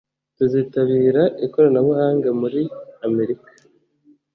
tuzitabira ikoranabuhanga muri amerika